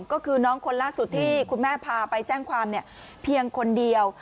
ก็คือน้องคนล่าสุดที่คุณแม่พาไปแจ้งความเพียงคนเดียว